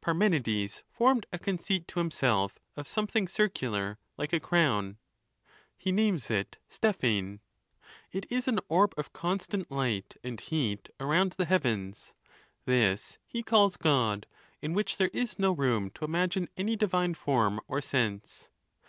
Parmenides formed a conceit to himself of something circular like, a crown. (He names it Stephane.) It is an orb of constant light and heat around the heavens; this he calls God ; in which there is no room to imagine any divine form or sense.